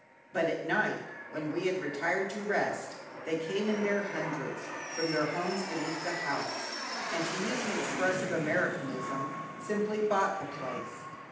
But at night when we had retired to rest, they came in their hundreds, from their homes beneath the house, and to use an expressive Americanism "simply bought the place."